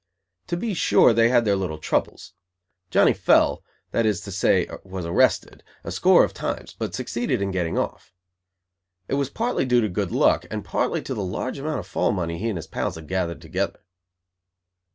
To be sure, they had their little troubles. Johnny "fell," that is to say, was arrested, a score of times, but succeeded in getting off. It was partly due to good luck, and partly to the large amount of fall money he and his pals had gathered together.